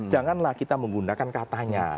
janganlah kita menggunakan katanya